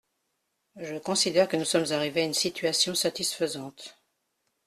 Je considère que nous sommes arrivés à une situation satisfaisante.